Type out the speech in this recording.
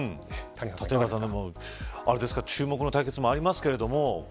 立岩さん、注目の対決もありますけれども。